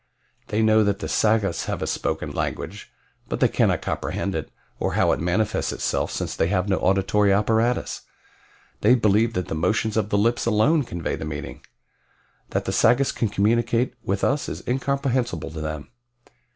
They know that the Sagoths have a spoken language, but they cannot comprehend it, or how it manifests itself, since they have no auditory apparatus. They believe that the motions of the lips alone convey the meaning. That the Sagoths can communicate with us is incomprehensible to them.